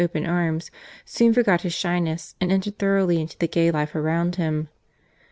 open arms, soon forgot his shyness, and entered thoroughly into the gay life around him.